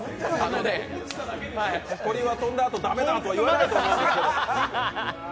鳥は飛んだあと駄目だとは言わないと思いますけれども。